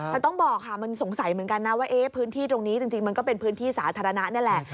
แต่ต้องบอกค่ะมันสงสัยเหมือนกันนะว่าพื้นที่ตรงนี้จริงมันก็เป็นพื้นที่สาธารณะนี่แหละ